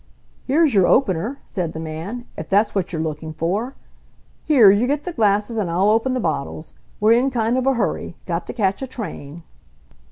"Here's your opener," said the man, "if that's what you're looking for. Here, you get the glasses and I'll open the bottles. We're in kind of a hurry. Got to catch a train."